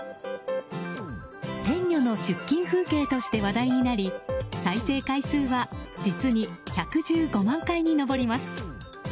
「天女の出勤風景」として話題になり再生回数は実に１１５万回に上ります。